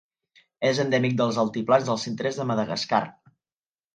És endèmic dels altiplans del centre-est de Madagascar.